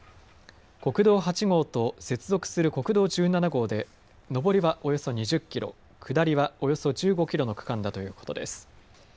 国道８号と接続する国道１７号で上りはおよそ２０キロ、下りはおよそ１５キロの区間だということです。